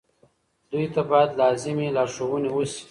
دوی ته باید لازمې لارښوونې وشي.